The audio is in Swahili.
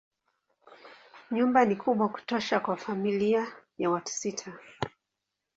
Nyumba ni kubwa kutosha kwa familia ya watu sita.